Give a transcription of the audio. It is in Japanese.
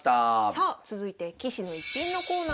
さあ続いて「棋士の逸品」のコーナーです。